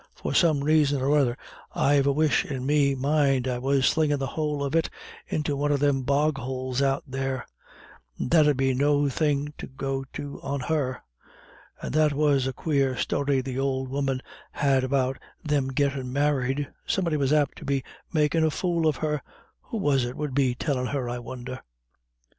For some raison or other I've the wish in me mind I was slingin' the whole of it into one of thim bog houles out there and that 'ud be no thing to go do on her.... And that was a quare story the ould woman had about thim gettin' married. Somebody was apt to be makin' a fool of her. Who was it would be tellin' her I won'er?"